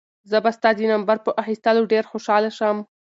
زه به ستا د نمبر په اخیستلو ډېر خوشحاله شم.